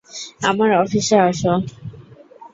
আমার অফিসে আসো।